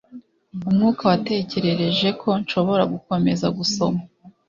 umwuka watekereje ko nshobora gukomeza gusoma! ”